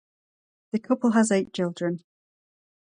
The couple has eight children.